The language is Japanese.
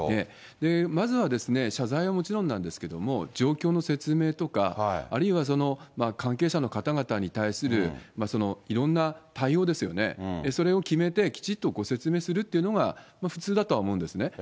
まずはですね、謝罪はもちろんなんですけども、状況の説明とか、あるいは関係者の方々に対するいろんな対応ですよね、それを決めて、きちっと説明するっていうのが普通だとは思うんですね。